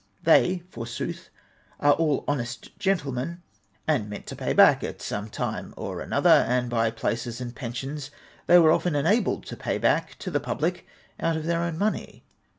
They, for sooth, are all honest gentlemen, and meant to pay back at some time or another; and by places and pensions they were often enabled to pay back to the public out of their own money.